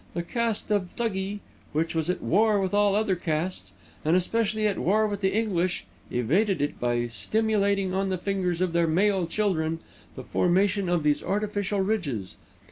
The caste of Thuggee, which was at war with all other castes, and especially at war with the English, evaded it by stimulating on the fingers of their male children the formation of these artificial ridges.